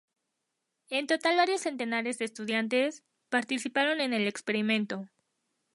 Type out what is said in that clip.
En total varios centenares de estudiantes, participaron en el experimento.